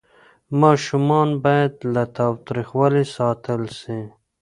ماشومان باید له تاوتریخوالي ساتل سي.